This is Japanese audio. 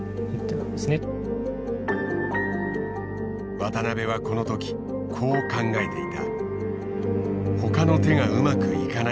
渡辺はこの時こう考えていた。